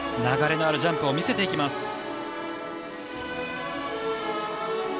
流れのあるジャンプを見せていきます。